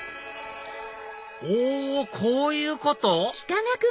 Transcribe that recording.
おこういうこと⁉